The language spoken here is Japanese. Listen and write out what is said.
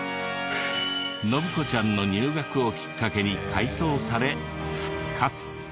洵子ちゃんの入学をきっかけに改装され復活。